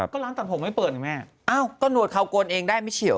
ก็ร้านตัดผมไม่เปิดนะแม่อ้าวก็หนวดเขาโกนเองได้ไม่เฉียว